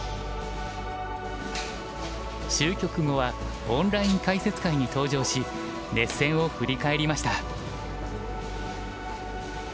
終局後はオンライン解説会に登場し熱戦を振り返りました。